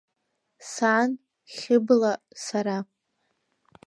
Сан, Хьыбла, сара.